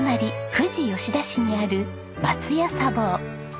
富士吉田市にあるまつや茶房。